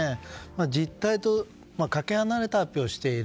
実態とかけ離れた発表をしている。